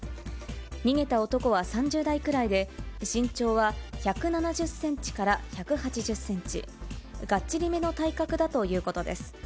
逃げた男は３０代くらいで、身長は１７０センチから１８０センチ、がっちりめの体格だということです。